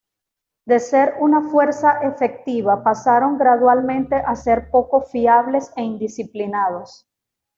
De ser una fuerza efectiva, pasaron gradualmente a ser poco fiables e indisciplinados.